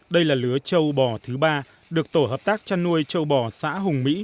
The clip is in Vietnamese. đây là lứa châu bò thứ ba được tổ hợp tác chăn nuôi châu bò xã hùng mỹ